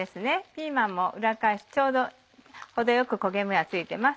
ピーマンも裏返すとちょうど程よく焦げ目がついています。